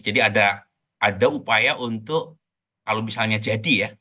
jadi ada upaya untuk kalau misalnya jadi ya